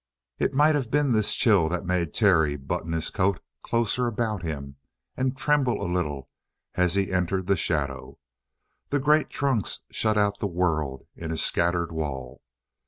It might have been this chill that made Terry button his coat closer about him and tremble a little as he entered the shadow. The great trunks shut out the world in a scattered wall.